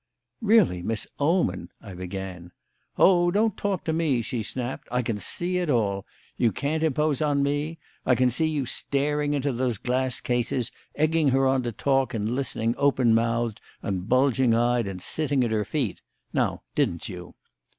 "Really, Miss Oman " I began. "Oh, don't talk to me!" she snapped. "I can see it all. You can't impose on me. I can see you staring into those glass cases, egging her on to talk and listening open mouthed and bulging eyed and sitting at her feet now, didn't you?"